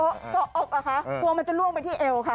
เกาะเหรอคะกลัวมันจะล่วงไปที่เอวค่ะ